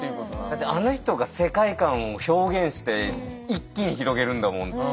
だってあの人が世界観を表現して一気に広げるんだもん。